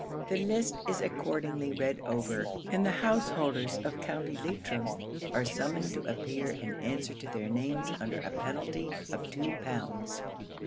The list is accordingly read over, and the householders of County Leitrim are summoned to appear and answer to their names under a penalty of two pounds.